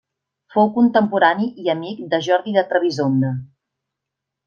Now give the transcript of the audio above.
Fou contemporani i amic de Jordi de Trebisonda.